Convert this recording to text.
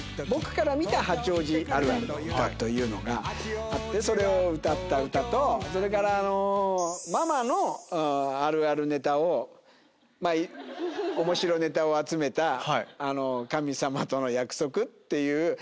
僕から見た八王子あるあるというのがあってそれを歌った歌とそれからママのあるあるネタを面白ネタを集めた『神様との約束』っていう。